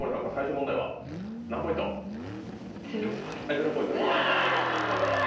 ０ポイントです。